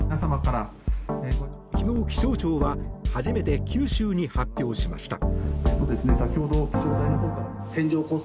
昨日、気象庁は初めて九州に発表しました。